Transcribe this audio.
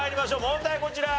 問題こちら。